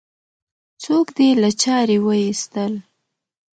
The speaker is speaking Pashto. څوک دې له چارې وایستل؟